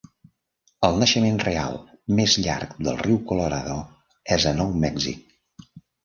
El naixement real més llarg del riu Colorado és a Nou Mèxic.